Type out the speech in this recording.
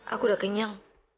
aku udah kenyal